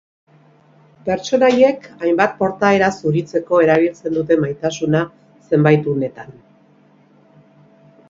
Pertsonaiek hainbat portaera zuritzeko erabiltzen dute maitasuna, zenbait unetan.